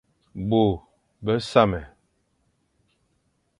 Bô besamé,